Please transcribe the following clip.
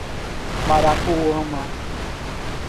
Marapoama